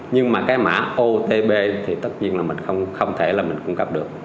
nhưng mà cái mã otb thì tất nhiên là mình không thể là mình cung cấp được